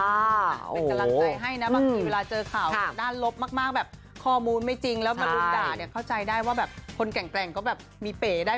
เป็นกำลังใจให้นะบางทีเวลาเจอข่าวด้านลบมากแบบข้อมูลไม่จริงแล้วมารุมด่าเนี่ยเข้าใจได้ว่าแบบคนแกร่งก็แบบมีเป๋ได้